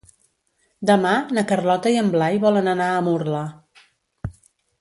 Demà na Carlota i en Blai volen anar a Murla.